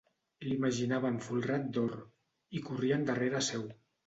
L'imaginaven folrat d'or, i corrien darrera seu.